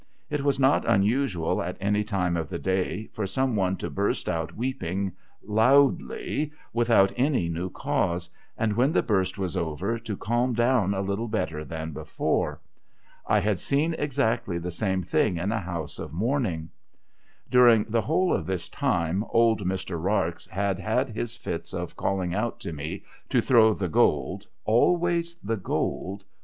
It was not unusual at any time of the day for some one to burst out weeping loudly without any new cause ; and, when the burst was over, to calm down a little better than before. I had seen exactly the same thing in a house of mourning. During the whole of this time, old Mr. Rarx had had his fits of calling out to me to throw the gold (always the gold